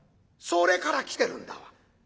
それから来てるんだわ。